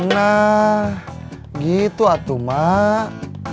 nah gitu atuh mak